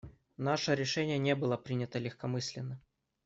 Наше решение не было принято легкомысленно.